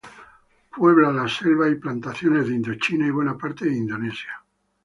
Puebla las selvas y plantaciones de Indochina y buena parte de Indonesia.